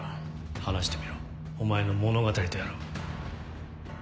話してみろお前の物語とやらを。